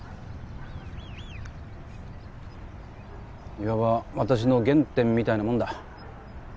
いわば私の原点みたいなもんだ